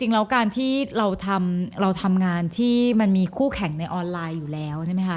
ในการที่เราทำงานที่มันมีคู่แข่งในออนไลน์อยู่แล้ว